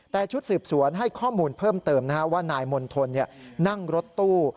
แต่ชุดสืบสวนให้ข้อมูลเพิ่มเติมว่านายมณฑลนั่งรถตู้